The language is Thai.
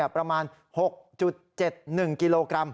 ประมาณ๖๗๑กิโลกรัม